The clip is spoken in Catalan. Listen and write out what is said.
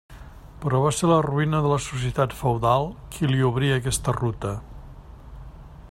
Però va ser la ruïna de la societat feudal qui li obrí aquesta ruta.